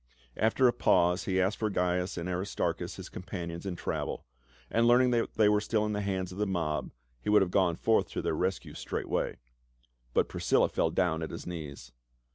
After a pause he asked for Gains and Aristarchus his com panions in travel, and learning that they were still in the hands of the mob, he would have gone forth to their rescue straightway. But Priscilla fell down at his knees.